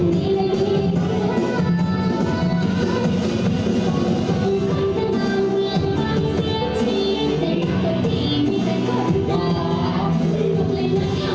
สุดท้ายก็ไม่มีเวลาที่จะรักกับที่อยู่ในภูมิหน้า